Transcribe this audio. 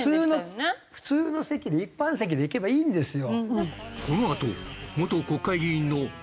普通の席で一般席で行けばいいんですよ。